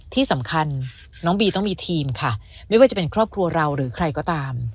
ที่สำคัญน้องบีต้องมีทีมค่ะไม่ว่าจะเป็นครอบครัวเราหรือใครก็ตาม